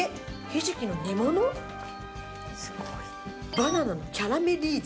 バナナのキャラメリゼ。